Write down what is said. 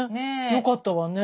よかったわね。